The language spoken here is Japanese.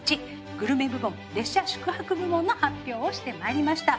グルメ部門列車・宿泊部門の発表をしてまいりました。